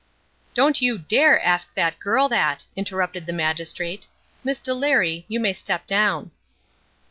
"Don't you dare ask that girl that," interrupted the magistrate. "Miss Delary, you may step down."